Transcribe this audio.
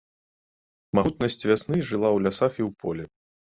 Магутнасць вясны жыла ў лясах і ў полі.